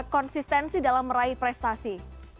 konsistensi dalam meraih prestasi